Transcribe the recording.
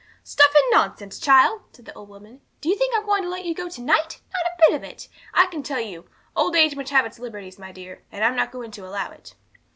'Stuff and nonsense, child!' said the old woman; 'do you think I'm going to let you go to night? Not a bit of it, I can tell you. Old age must have its liberties, my dear, and I'm not going to allow it.'